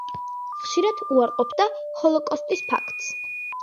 ხშირად უარყოფდა ჰოლოკოსტის ფაქტს.